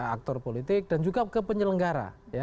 aktor politik dan juga ke penyelenggara